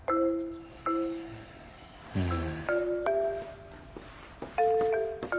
うん。